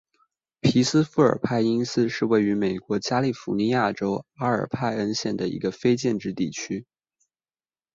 皮斯富尔派因斯是位于美国加利福尼亚州阿尔派恩县的一个非建制地区。